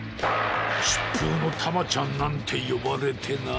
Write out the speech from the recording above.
「疾風のたまちゃん」なんてよばれてな。